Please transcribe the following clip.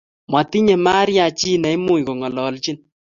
Matinyei Maria chi nemuch ko ng'ololchin